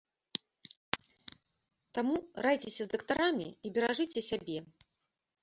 Таму райцеся з дактарамі і беражыце сябе!